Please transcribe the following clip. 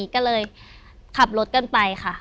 ก็เลยขับรถกันไปค่ะ